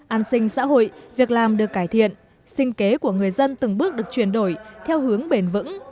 an sinh xã hội việc làm được cải thiện sinh kế của người dân từng bước được chuyển đổi theo hướng bền vững